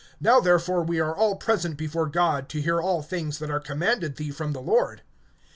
Now therefore we are all present before God, to hear all things that are commanded thee from the Lord.